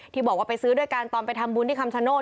ที่บอกว่าไปซื้อด้วยกันตอนไปทำบุญที่คำชโนธ